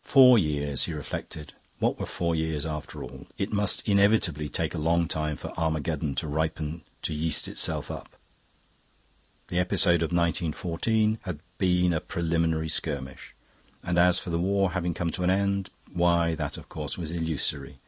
Four years, he reflected; what were four years, after all? It must inevitably take a long time for Armageddon to ripen to yeast itself up. The episode of 1914 had been a preliminary skirmish. And as for the war having come to an end why, that, of course, was illusory.